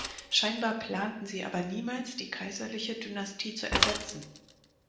Scheinbar planten sie aber niemals, die kaiserliche Dynastie zu ersetzen.